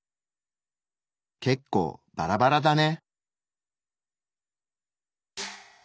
けっこうバラバラだね。